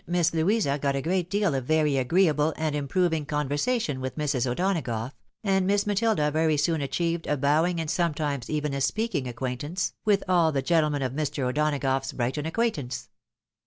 Miss Louisa got a great deal of very agreeable and improving con versation with Mrs. O'Donagough, and Miss Matilda very soon achieved a bowing and sometimes even a speaking acquaint ance with all the gentlemen of Mr. O'Donagough's Brighton acquaintance.